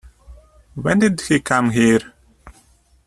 When did he come here?